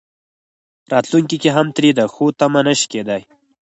راتلونکي کې هم ترې د ښو تمه نه شي کېدای.